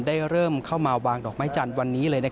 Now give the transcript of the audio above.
เริ่มเข้ามาวางดอกไม้จันทร์วันนี้เลย